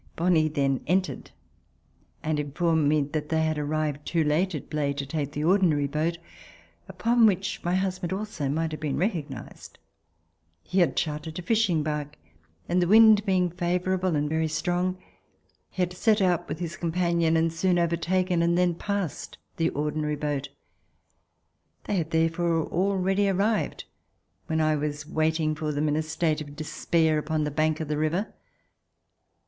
Bonle then entered and informed me that they had arrived too late at Blaye to take the ordinary boat, upon which my husband also might have been recognized. He had chartered a fishing bark, and the wind being favorable and very strong, he had set out with his companion and soon overtaken and then passed the ordinary boat. They had therefore already arrived when I was waiting for them in a state of despair upon the bank of the river.